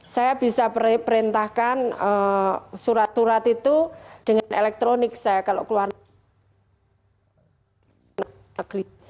saya bisa perintahkan surat surat itu dengan elektronik saya kalau keluar negeri